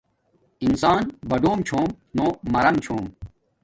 انسان باڈم چھوم نو مرم چھوم